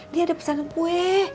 dia ada pesan kue